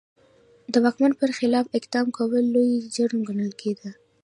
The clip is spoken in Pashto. د واکمن پر خلاف اقدام کول لوی جرم ګڼل کېده.